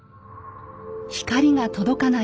光が届かない